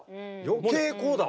余計こうだわ。